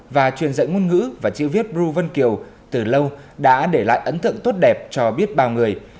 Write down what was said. và truyền dạy ngôn ngữ và chữ viết bru vân kiều từ lâu đã để lại ấn tượng tốt đẹp cho biết bao người